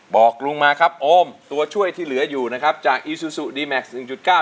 บอกลุงมาครับโอมตัวช่วยที่เหลืออยู่นะครับจากอีซูซูดีแม็กซหนึ่งจุดเก้า